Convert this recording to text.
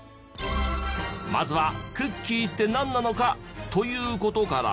まずはクッキーってなんなのか？という事から。